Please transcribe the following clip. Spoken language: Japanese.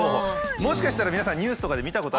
もしかしたら皆さんニュースとかで見たことある。